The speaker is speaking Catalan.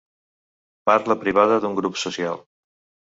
Parla privada d'un grup social.